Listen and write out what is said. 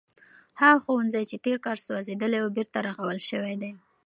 هغه ښوونځی چې تیر کال سوځېدلی و بېرته رغول شوی دی.